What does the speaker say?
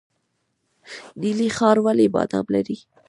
نیلي ښار ولې بادام لري؟